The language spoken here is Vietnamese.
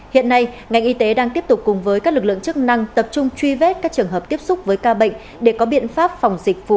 hiện nay ngành y tế đang tiếp tục cùng với các lực lượng chức năng tập trung truy vết các trường hợp tiếp xúc với ca bệnh để có biện pháp phòng dịch phù hợp